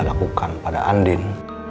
anda lakukan pada andin